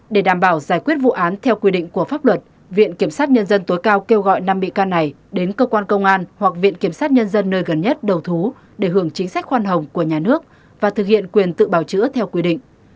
để đảm bảo giải quyết vụ án theo quy định của pháp luật viện kiểm sát nhân dân tối cao kêu gọi năm bị can này đến cơ quan công an hoặc viện kiểm sát nhân dân nơi gần nhất đầu thú để hưởng chính sách khoan hồng của nhà nước và thực hiện quyền tự bào chữa theo quy định